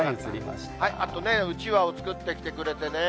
あとね、うちわを作ってきてくれてね。